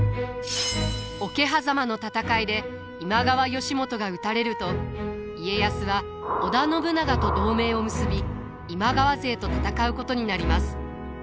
桶狭間の戦いで今川義元が討たれると家康は織田信長と同盟を結び今川勢と戦うことになります。